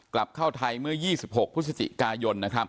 กลับเข้าไทยเมื่อ๒๖พฤศจิกายน